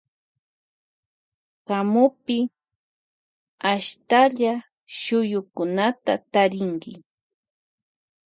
Kamupi tarinki ashtalla shuyukunata.